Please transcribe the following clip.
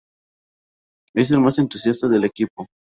Es el más entusiasta del equipo.